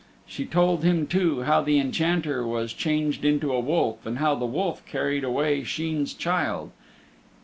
He told him, too, how the Enchanter was changed into a wolf, and how the wolf carried away Sheen's child.